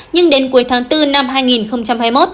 nhưng đến cuối tháng bốn năm hai nghìn hai mươi một